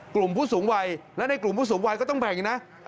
กลุ่มผู้สูงวัยและในกลุ่มผู้สูงวัยก็ต้องแบ่งอีกนะ